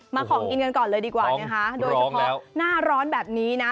ของกินกันก่อนเลยดีกว่านะคะโดยเฉพาะหน้าร้อนแบบนี้นะ